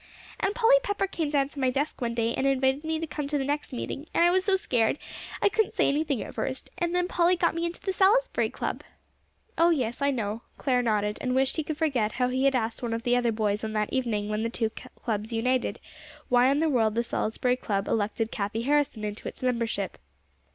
And Polly Pepper came down to my desk one day, and invited me to come to the next meeting, and I was so scared, I couldn't say anything at first; and then Polly got me into the Salisbury Club." "Oh, yes, I know." Clare nodded, and wished he could forget how he had asked one of the other boys on that evening when the two clubs united, why in the world the Salisbury Club elected Cathie Harrison into its membership.